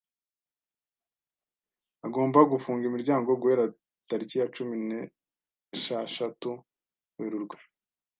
agomba gufunga imiryango guhera tariki ya cumi neshashatu werurwe